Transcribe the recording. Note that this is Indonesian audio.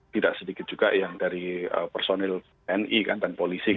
tidak sedikit juga yang dari personil ni kan dan polisi